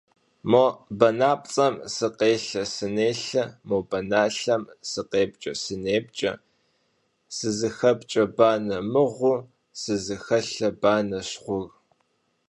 Мо банапцӏэм сыкъелъэ-сынелъэ, мо баналъэм сыкъепкӏэ-сынепкӏэ, сызыхэпкӏэ банэ мыгъу, сызыхэлъэ банэщ гъур.